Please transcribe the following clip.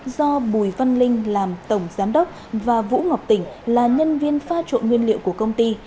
do bùi văn linh làm tổng giám đốc và vũ ngọc tỉnh là nhân viên pha trộn nguyên liệu của công ty